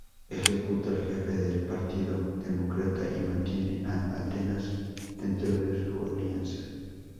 Ejecuta al jefe del partido demócrata, y mantiene a Atenas dentro de su alianza.